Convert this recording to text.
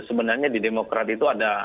sebenarnya di demokrat itu ada